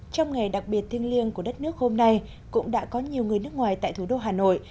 trong ngày đặc biệt thiêng liêng của đất nước hôm nay cũng đã có nhiều người nước ngoài tại thủ đô hà nội